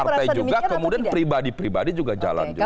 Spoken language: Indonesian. partai juga kemudian pribadi pribadi juga jalan juga